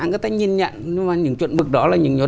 người ta nhìn nhận nhưng mà những chuẩn mực đó là những yếu